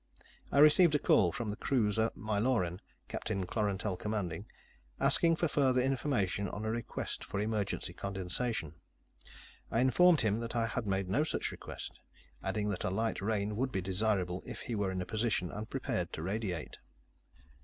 I received a call from the cruiser Myloren, Captain Klorantel commanding, asking for further information on a request for emergency condensation. I informed him that I had made no such request, adding that a light rain would be desirable if he were in position and prepared to radiate.